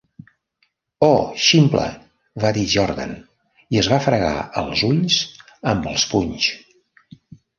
"O ximple", va dir Jordan i es va fregar els ulls amb els punys.